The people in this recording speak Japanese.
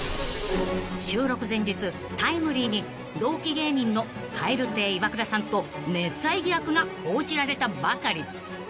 ［収録前日タイムリーに同期芸人の蛙亭イワクラさんと熱愛疑惑が報じられたばかり］